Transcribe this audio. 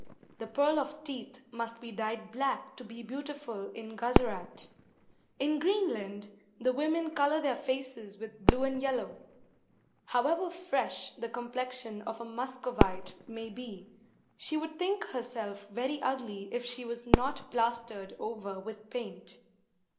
The pearl of teeth must be dyed black to be beautiful in Guzerat. In Greenland the women colour their faces with blue and yellow. However fresh the complexion of a Muscovite may be, she would think herself very ugly if she was not plastered over with paint.